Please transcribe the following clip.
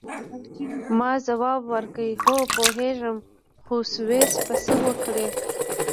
ما ځواب ورکړ: هو، پوهیږم، خو سویس به څه وکړي؟